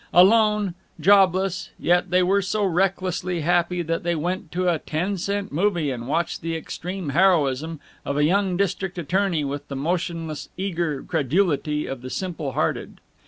Alone, jobless, yet they were so recklessly happy that they went to a ten cent movie and watched the extreme heroism of a young district attorney with the motionless eager credulity of the simple hearted.